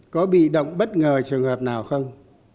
có bị động bất ngờ trường hợp nào không